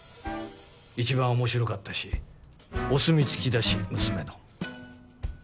一番面白かったしお墨付きだし娘の。